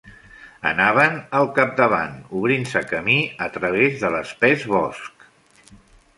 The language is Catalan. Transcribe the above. Anaven al capdavant, obrint-se camí a travès de l'espès bosc.